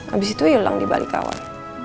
abis itu hilang di balik awal